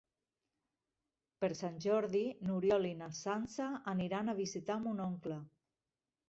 Per Sant Jordi n'Oriol i na Sança aniran a visitar mon oncle.